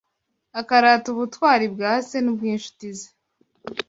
Akarata ubutwari bwa se n’ubw’inshuti ze